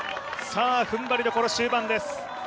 踏ん張りどころ、終盤です。